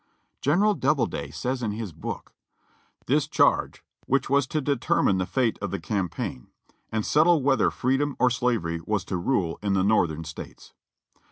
General Doubleday says in his book : "This charge, which was to determine the fate of the campaign, and settle whether freedom or slavery was to rule in the North ern States."